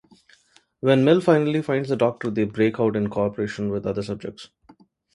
When Mel finally finds the Doctor, they break out in cooperation with other subjects.